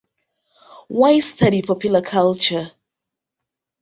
Why Study Popular Culture?